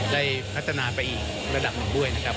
ได้พัฒนาไปอีกระดับหนึ่งด้วยนะครับ